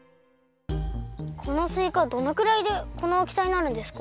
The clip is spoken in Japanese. このすいかどのくらいでこのおおきさになるんですか？